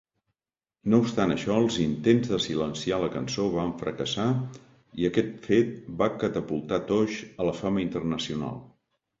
No obstant això, els intents de silenciar la cançó van fracassar i aquest fet va catapultar Tosh a la fama internacional.